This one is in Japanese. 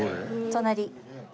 隣。